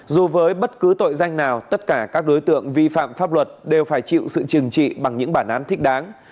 dù với bất cứ tội danh nào tất cả các đối tượng vi phạm pháp luật đều phải chịu sự trừng trị bằng những bản án thích đáng